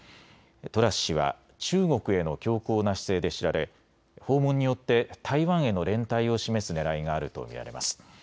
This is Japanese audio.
トラス氏は中国への強硬な姿勢で知られ訪問によって台湾への連帯を示すねらいがあると見られます。